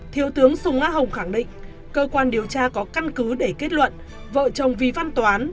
thiếu tướng sùng a hồng khẳng định cơ quan điều tra có căn cứ để kết luận vợ chồng vì văn toán